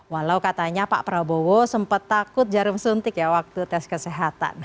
walau katanya pak prabowo sempat takut jarum suntik ya waktu tes kesehatan